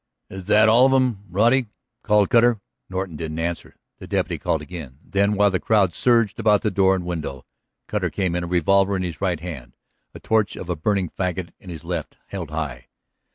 "Is that all of 'em, Roddy?" called Cutter. Norton didn't answer. The deputy called again. Then, while the crowd surged about door and window. Cutter came in, a revolver in his right hand, a torch of a burning fagot in his left, held high.